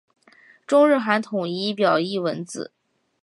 中日韩统一表意文字。